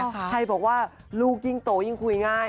ใครบอกว่าลูกยิ่งโตยิ่งคุยง่าย